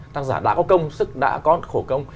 tác giả đã có công sức đã có khổ công